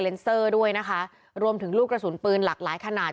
เซอร์ด้วยนะคะรวมถึงลูกกระสุนปืนหลากหลายขนาด